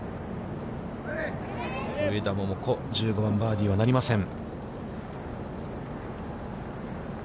上田桃子、１５番、バーディーはなりません。